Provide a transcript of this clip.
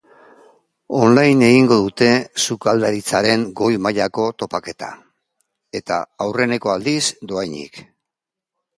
Online egingo dute sukaldaritzaren goi mailako topaketa, eta aurreneko aldiz dohainik.